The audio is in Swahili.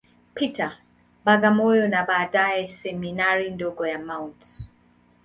Peter, Bagamoyo, na baadaye Seminari ndogo ya Mt.